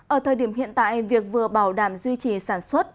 ở thời điểm hiện tại việc vừa bảo đảm duy trì sản xuất